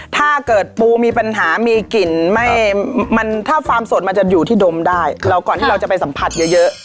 ถ้าเกิดปูมีปัญหามีกลิ่นไม่มันถ้าฟาร์มสดมันจะอยู่ที่ดมได้เราก่อนที่เราจะไปสัมผัสเยอะ